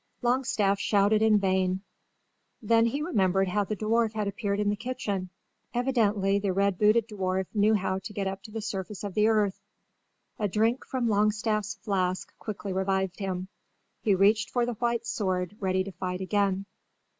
Longstaff shouted in vain. Then he remembered how the dwarf had appeared in the kitchen. Evidently the red booted dwarf knew how to get up to the surface of the earth. A drink from Longstaff's flask quickly revived him. He reached for the white sword ready to fight again.